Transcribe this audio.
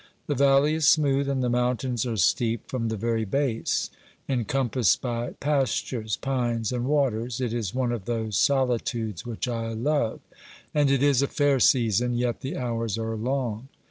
The valley is smooth, and the mountains are steep from the very base ; encom passed by pastures, pines and waters, it is one of those solitudes which I love, and it is a fair season ; yet the hours are long.